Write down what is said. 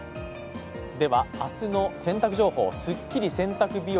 では明日の洗濯情報、すっきり洗濯日和。